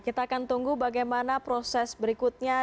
kita akan tunggu bagaimana proses berikutnya